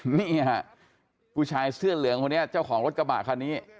ฮึนี่อ่ะกูชายเสื้อเหลืองจ้าของรถกระบาดคันนี้